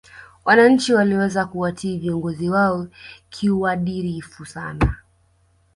wananchi waliweza kuwatii viongozi wao kiuadirifu sana